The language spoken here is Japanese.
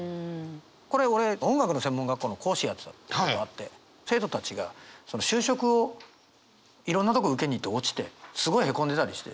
これ俺音楽の専門学校の講師やってたことあって生徒たちが就職をいろんなとこ受けに行って落ちてすごいへこんでたりして。